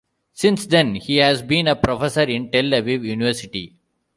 Since then, he has been a professor in Tel-Aviv University.